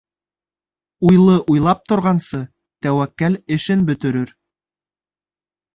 Уйлы уйлап торғансы, тәүәккәл эшен бөтөрөр.